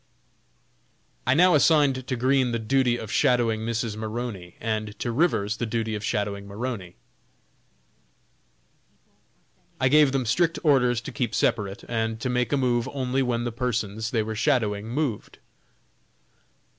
I now assigned to Green the duty of shadowing Mrs. Maroney, and to Rivers the duty of shadowing Maroney. I gave them strict orders to keep separate, and to make a move only when the persons they were shadowing moved.